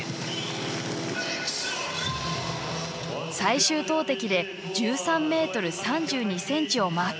最終投てきで１３ｍ３２ｃｍをマーク。